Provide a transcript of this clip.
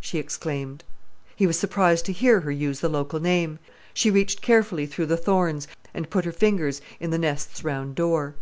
she exclaimed. He was surprised to hear her use the local name. She reached carefully through the thorns, and put her fingers in the nest's round door.